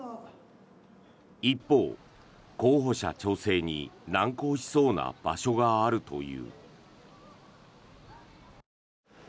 一方、候補者調整に難航しそうな場所があるという。